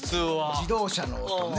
自動車の音ね。